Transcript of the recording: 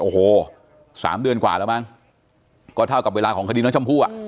โอ้โห๓เดือนกว่าแล้วมั้งก็เท่ากับเวลาของคดีน้องชมพู่อ่ะ